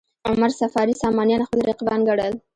عمر صفاري سامانیان خپل رقیبان ګڼل.